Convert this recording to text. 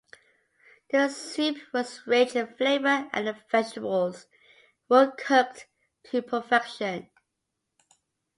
The soup was rich in flavor and the vegetables were cooked to perfection.